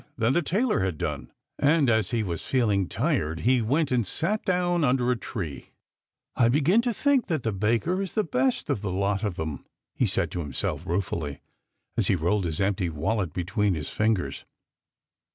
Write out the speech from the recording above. than the tailor had done, and as he was feeling tired he went and sat down under a tree. " I begin to think that the baker is the best of the lot of them," he said to himself ruefully, as he rolled his empty wallet between his fingers.